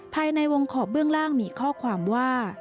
ภายในวงขอบเบื้องล่างมีข้อความว่า